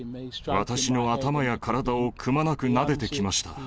私の頭や体をくまなくなでてきました。